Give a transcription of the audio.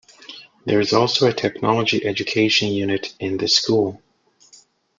There is also a technology education unit in the school.